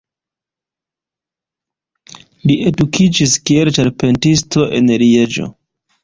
Li edukiĝis kiel ĉarpentisto en Lieĝo.